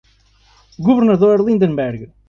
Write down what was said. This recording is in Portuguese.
Governador Lindenberg